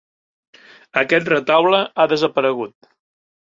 Aquest retaule ha desaparegut.